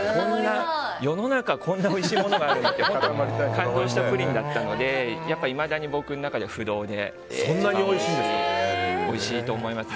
世の中、こんなおいしいものがあるんだって感動したプリンだったのでいまだに僕の中では不動で、おいしいと思います。